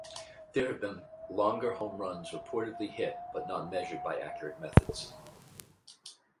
There have been longer home runs reportedly hit but not measured by accurate methods.